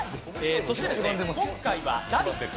そして今回は「ラヴィット！」